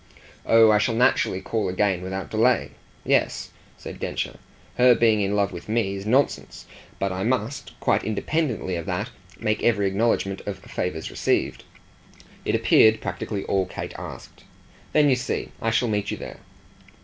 "Oh I shall naturally call again without delay. Yes," said Densher, "her being in love with me is nonsense; but I must, quite independently of that, make every acknowledgement of favours received." It appeared practically all Kate asked. "Then you see. I shall meet you there."